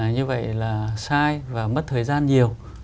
như vậy là sai và mất thời gian nhiều